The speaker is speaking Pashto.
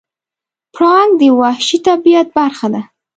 پړانګ د وحشي طبیعت برخه ده.